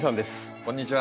こんにちは。